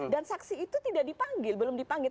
dan saksi itu tidak dipanggil belum dipanggil